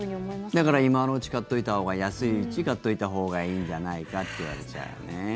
だから今のうち買っておいたほうが安いうちに買っておいたほうがいいんじゃないかって言われちゃうよね。